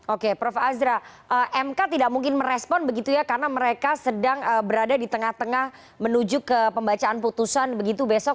oke prof azra mk tidak mungkin merespon begitu ya karena mereka sedang berada di tengah tengah menuju ke pembacaan putusan begitu besok